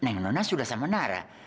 tapi kan neng nona sudah sama nara